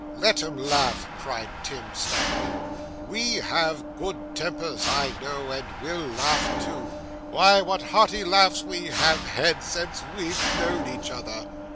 'Let 'em laugh,' cried Tim stoutly; 'we have good tempers I know, and we'll laugh too. Why, what hearty laughs we have had since we've known each other!